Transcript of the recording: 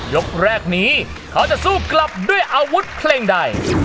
ยกแรกนี้เขาจะสู้กลับด้วยอาวุธเพลงใด